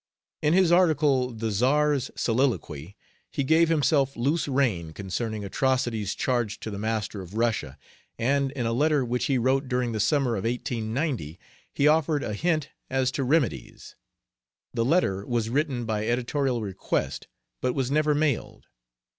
In his article, "The Czar's Soliloquy," he gave himself loose rein concerning atrocities charged to the master of Russia, and in a letter which he wrote during the summer of 1890, he offered a hint as to remedies. The letter was written by editorial request, but was never mailed.